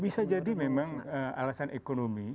bisa jadi memang alasan ekonomi